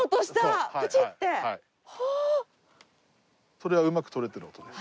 それはうまく採れてる音です。